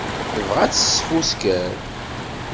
Tebɣa ad tesfusker.